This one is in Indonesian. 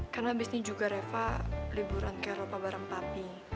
karena abis ini juga reva liburan kayak lupa bareng papi